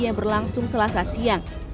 yang berlangsung selasa siang